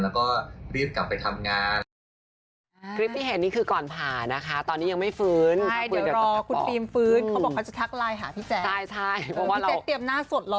แล้วก็รีบกลับไปทำงาน